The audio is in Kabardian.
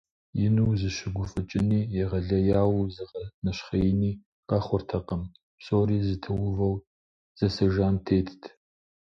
Ину узыщыгуфӏыкӏыни егъэлеяуэ узыгъэнэщхъеини къэхъуртэкъым, псори зытеувэу зэсэжам тетт.